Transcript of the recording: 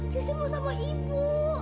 sisi mau sama ibu